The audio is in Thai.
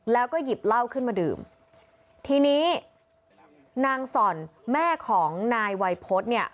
แล้วก็หยิบเหล้าขึ้นมาดื่มทีนี้นางส่อนแม่ของนายวัยพฤษเนี่ย